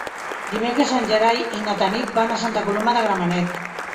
Dimecres en Gerai i na Tanit van a Santa Coloma de Gramenet.